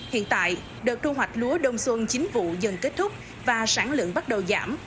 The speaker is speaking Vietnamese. hiện tại đợt thu hoạch lúa đông xuân chính vụ dần kết thúc và sản lượng bắt đầu giảm